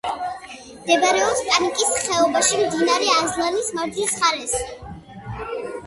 მდებარეობს პანკისის ხეობაში, მდინარე ალაზნის მარჯვენა მხარეს.